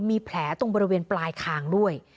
มีแผลตรงบริเวณปลายคางด้วย